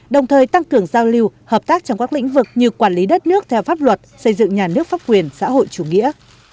đồng thời tăng cường giao lưu hợp tác trong các lĩnh vực như quản lý đất nước theo pháp luật xây dựng nhà nước pháp quyền xã hội chủ nghĩa